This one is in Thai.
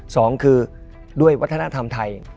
สองคือด้วยวัฒนธรรมไทย